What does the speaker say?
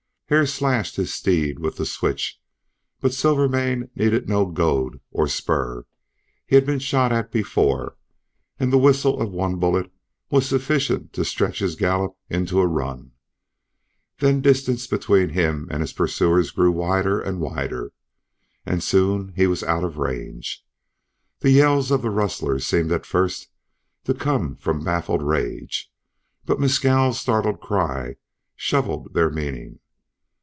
Hare slashed his steed with the switch. But Silvermane needed no goad or spur; he had been shot at before, and the whistle of one bullet was sufficient to stretch his gallop into a run. Then distance between him and his pursuers grew wider and wider and soon he was out of range. The yells of the rustlers seemed at first to come from baffled rage, but Mescal's startled cry showed their meaning.